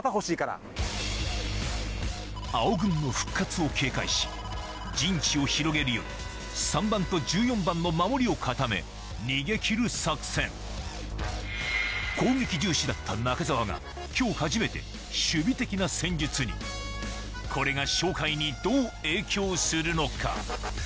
青軍の復活を警戒し陣地を広げるより３番と１４番の守りを固め逃げ切る作戦攻撃重視だった中澤が今日初めてこれが勝敗にどう影響するのか？